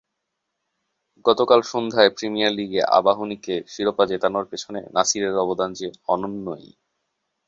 গতকাল সন্ধ্যায় প্রিমিয়ার লিগে আবাহনীকে শিরোপা জেতানোর পেছনে নাসিরের অবদান যে অনন্যই।